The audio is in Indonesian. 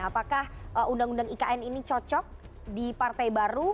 apakah undang undang ikn ini cocok di partai baru